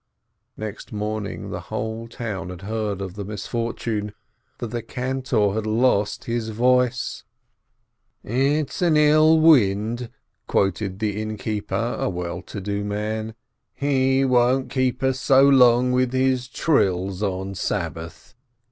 Next morning the whole town had heard of the mis fortune— that the cantor had lost his voice. "It's an ill wind " quoted the innkeeper, a well to do man. "He won't keep us so long with his trills on Sabbath.